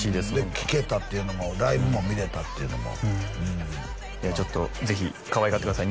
聴けたっていうのもライブも見れたっていうのもいやちょっとぜひかわいがってください